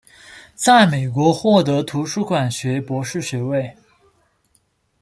在美国获得图书馆学博士学位。